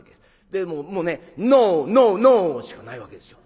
でもうね「ノーノーノー」しかないわけですよ。